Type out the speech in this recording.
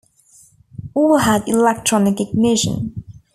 All had electronic ignition.